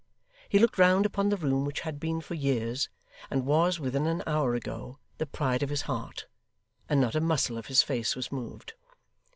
He looked round upon the room which had been for years, and was within an hour ago, the pride of his heart; and not a muscle of his face was moved.